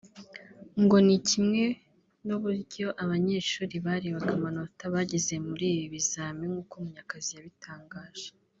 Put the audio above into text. ngo ni kimwe n’uburyo abanyeshuri barebaga amanota bagize muri ibi bizami nk’uko Munyakazi yabitangaje